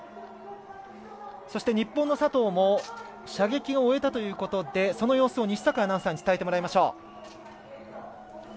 日本の佐藤も射撃を終えたということでその様子を西阪アナウンサーに伝えてもらいましょう。